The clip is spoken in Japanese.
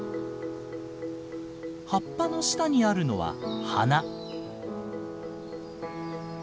葉っぱの下にあるのは花。